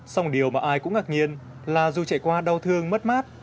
xong điều mà ai cũng ngạc nhiên là dù trải qua đau thương mất mát